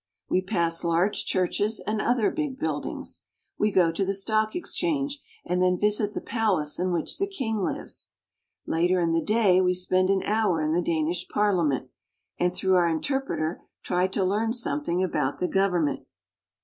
We pass large churches and other big buildings. We go to the stock exchange and then visit the palace in which the king lives. Later in the day we spend an hour in the Danish Parlia ment, and through our interpreter try to learn something about the government.